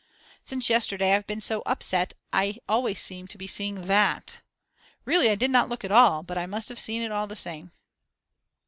Since yesterday I've been so upset I always seem to be seeing that; really I did not look at all, but I must have seen it all the same.